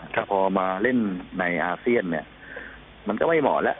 แต่พอเล่นในอาเซียนมันก็จะไม่เหมาะ